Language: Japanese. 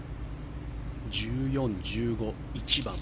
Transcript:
１４、１５、１番。